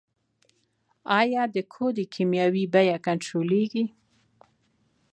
آیا د کود کیمیاوي بیه کنټرولیږي؟